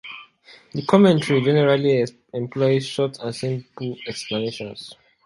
The commentary, generally, employs short and simple explanations.